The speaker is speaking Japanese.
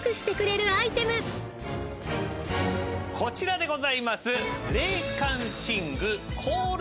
こちらでございます。